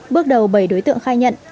bước đầu bảy đối tượng khai nhận